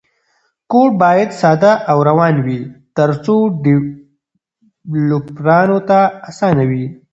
کوډ باید ساده او روان وي ترڅو ډیولپرانو ته اسانه وي.